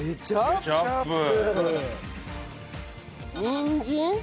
にんじん。